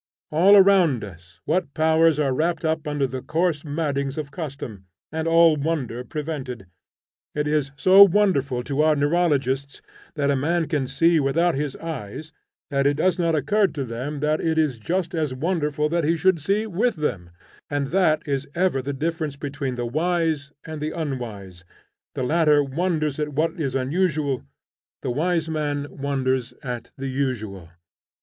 All around us what powers are wrapped up under the coarse mattings of custom, and all wonder prevented. It is so wonderful to our neurologists that a man can see without his eyes, that it does not occur to them that it is just as wonderful that he should see with them; and that is ever the difference between the wise and the unwise: the latter wonders at what is unusual, the wise man wonders at the usual.